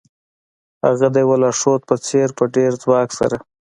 هغه د یو لارښود په څیر په ډیر ځواک سره